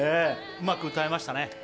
うまく歌えましたね。